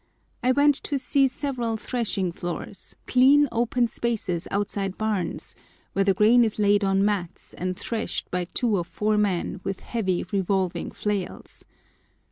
I went to see several threshing floors,—clean, open spaces outside barns,—where the grain is laid on mats and threshed by two or four men with heavy revolving flails.